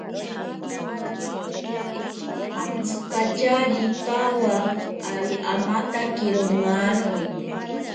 Antsipatyari pawa ari amatakero maaroni.